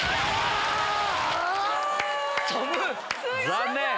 残念！